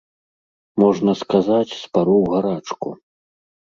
Можна сказаць, спароў гарачку.